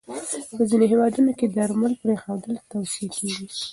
په ځینو هېوادونو کې درمل پرېښودل توصیه کېږي.